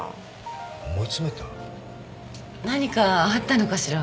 何かあったのかしら？